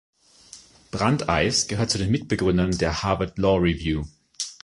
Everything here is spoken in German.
Brandeis gehört zu den Mitbegründern der "Harvard Law Review".